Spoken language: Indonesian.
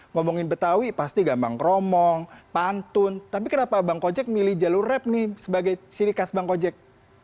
ngomongin betawi pasti gampang keromong pantun tapi kenapa bang kojek milih jalur ref nih sebagai sirikas bang kojek